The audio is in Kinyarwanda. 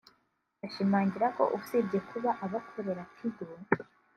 ashimangira ko usibye kuba abakorera Tigo